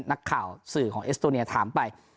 นักข่าวสื่อของเอสโตเนียถามไป